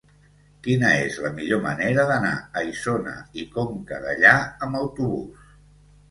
Quina és la millor manera d'anar a Isona i Conca Dellà amb autobús?